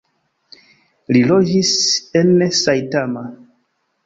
Li loĝis en Saitama.